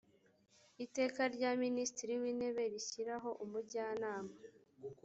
iteka rya minisitiri w intebe rishyiraho umujyanama